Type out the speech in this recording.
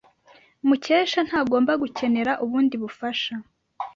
Mukesha ntagomba gukenera ubundi bufasha.